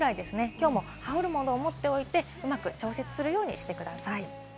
きょうも羽織るものを持っておいて、うまく調節するようにしてください。